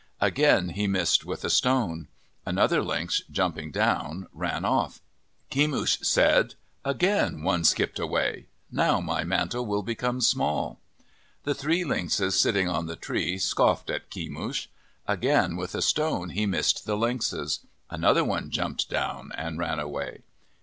Again he missed with a stone. Another lynx, jumping down, ran off. Kemush said, " Again one skipped away. Now my mantle will become small." The three lynxes sitting on the tree scoffed at Kemush. Again with a stone he missed the lynxes. Another one jumped down and ran away.